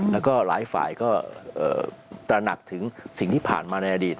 แล้วก็หลายฝ่ายก็ตระหนักถึงสิ่งที่ผ่านมาในอดีต